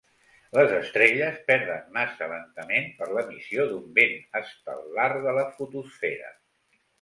Les estrelles perden massa lentament per l'emissió d'un vent estel·lar de la fotosfera.